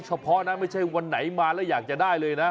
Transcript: เฉพาะนะไม่ใช่วันไหนมาแล้วอยากจะได้เลยนะ